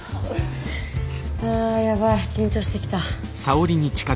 あやばい緊張してきた。